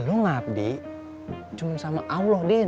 lo ngabdi cuma sama allah din